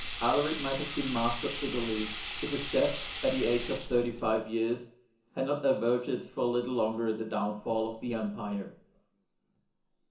Alaric might have been master of Italy if his death, at the age of thirty five years, had not averted for a little longer the downfall of the Empire.